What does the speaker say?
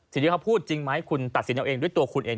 สิ่งที่เขาพูดจริงไหมคุณตัดสินเอาเองด้วยตัวคุณเอง